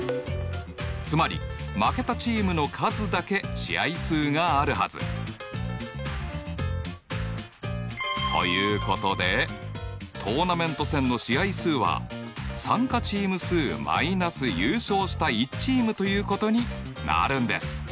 つまり負けたチームの数だけ試合数があるはず。ということでトーナメント戦の試合数は参加チーム数マイナス優勝した１チームということになるんです！